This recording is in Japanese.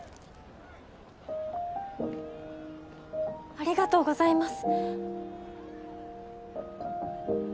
ありがとうございます。